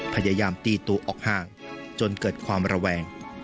พยายามตีตัวออกห่างจนเกิดความระแวง